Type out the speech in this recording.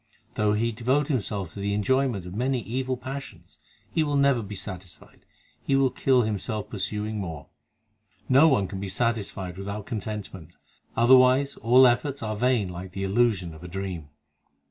Though he devote himself to the enjoyment of many evil passions, He will never be satisfied ; he will kill himself pursuing more. No one can be satisfied without contentment ; Otherwise all efforts are vain like the illusion of a dream.